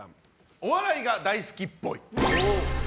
お笑いが大好きっぽい。